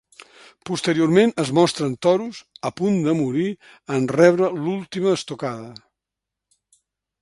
Posteriorment, es mostren toros a punt de morir en rebre l’última estocada.